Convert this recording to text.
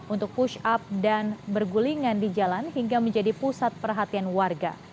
untuk push up dan bergulingan di jalan hingga menjadi pusat perhatian warga